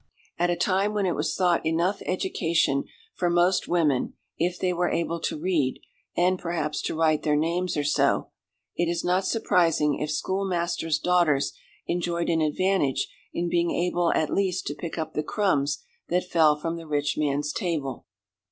At a time when it was thought enough education for most women if they were able to read, "and perhaps to write their names or so," it is not surprising if schoolmasters' daughters enjoyed an advantage in being able at least to pick up the crumbs that fell from the rich man's table.